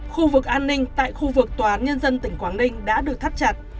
khu vực an ninh tại khu vực tòa án nhân dân tỉnh quảng ninh đã được thắt chặt